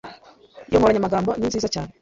Iyi nkoranyamagambo ni nziza cyane.